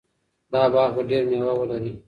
دا باغ به ډېر مېوه ولري.